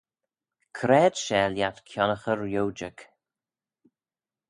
C'raad share lhiat kionnaghey riojag?